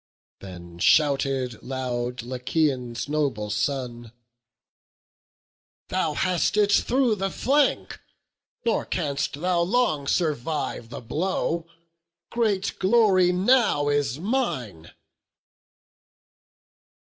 Then shouted loud Lycaon's noble son: "Thou hast it through the flank, nor canst thou long Survive the blow; great glory now is mine."